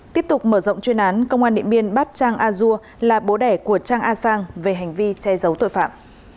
tiếp tục mở rộng chuyên án công an điện biên bắt trang a dua là bố đẻ của trang a sang về hành vi che giấu tội phạm